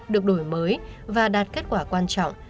được đổi mới và đạt kết quả quan trọng